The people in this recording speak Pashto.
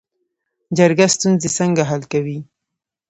جرګه ستونزې څنګه حل کوي؟